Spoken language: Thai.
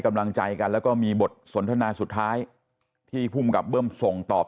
กำลังใจกันแล้วก็มีบทสนทนาสุดท้ายที่ภูมิกับเบิ้มส่งตอบ